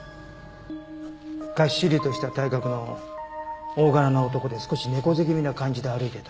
がっしりとした体格の大柄な男で少し猫背気味な感じで歩いてた。